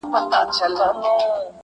لار سوه ورکه له سپاهیانو غلامانو-